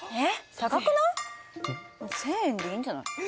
１，０００円でいいんじゃない？